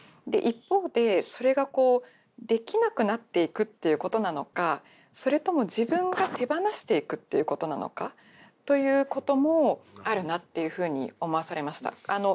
で一方でそれがこうできなくなっていくっていうことなのかそれとも自分が手放していくっていうことなのかということもあるなっていうふうに思わされました。